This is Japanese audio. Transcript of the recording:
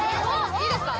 いいですか？